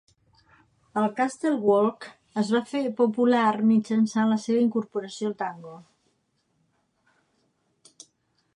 El Castle Walk es va fer popular mitjançant la seva incorporació al tango.